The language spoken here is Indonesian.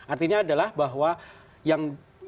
artinya adalah bahwa yang